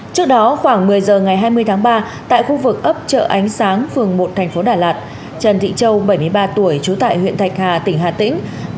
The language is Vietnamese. trước đó khoảng một mươi giờ ngày hai mươi tháng ba tại khu vực ấp chợ ánh sáng phường một thành phố đà lạt trần thị châu bảy mươi ba tuổi trú tại huyện thạch hà tỉnh hà tĩnh